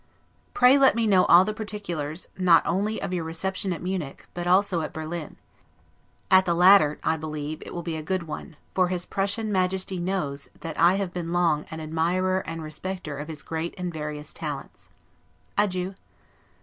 Pray let me know all the particulars, not only of your reception at Munich, but also at Berlin; at the latter, I believe, it will be a good one; for his Prussian Majesty knows, that I have long been AN ADMIRER AND RESPECTER OF HIS GREAT AND VARIOUS TALENTS. Adieu.